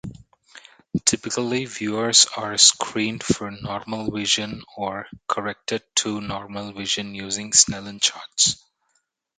Typically, viewers are screened for normal vision or corrected-to-normal vision using Snellen charts.